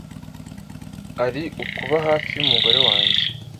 ari ukuba hafi y’umugore wanjye.”